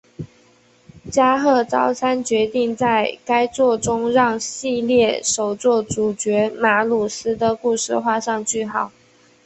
加贺昭三决定在该作中让系列首作主角马鲁斯的故事画上句号。